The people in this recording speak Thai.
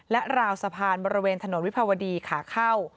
และราวสะพานบริเวณถนนวิภาวดีขาเข้า